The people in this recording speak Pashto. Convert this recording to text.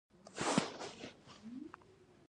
آیا غوړي له مالیزیا راځي؟